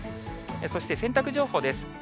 そして洗濯情報です。